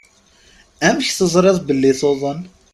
Amek teẓriḍ belli tuḍen?